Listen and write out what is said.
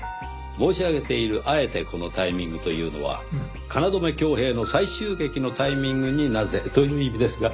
申し上げている「あえてこのタイミング」というのは「京匡平の再襲撃のタイミングになぜ？」という意味ですが。